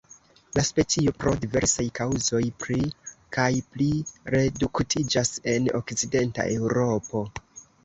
La specio pro diversaj kaŭzoj pli kaj pli reduktiĝas en Okcidenta Eŭropo.